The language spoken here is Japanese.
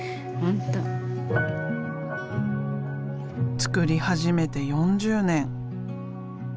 作り始めて４０年。